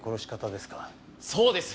そうです。